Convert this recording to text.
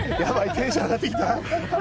テンション上がってきた！